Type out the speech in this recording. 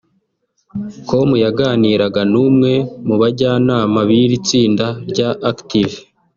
com yaganiraga n’umwe mu bajyanama b’iri tsinda rya Active